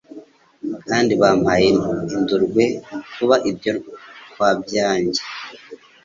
Kandi bampaye indurwe kuba ibyo kwya byanjye,